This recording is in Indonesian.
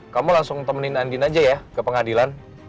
kamu langsung temenin andin aja ya ke pengadilan